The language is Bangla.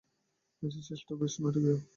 ম্যাচের শেষটাও বেশ নাটকীয়।